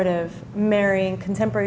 menikmati desain kontemporer